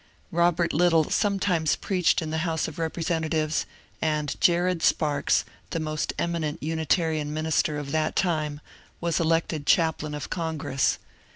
Bobert Little sometimes preached in the House of Bepresentatives, and Jared Sparks, the most eminent Unitarian minister of that time, was elected chap lain of Congress.